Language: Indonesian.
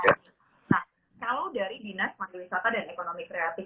nah kalau dari dinas pariwisata dan ekonomi kreatif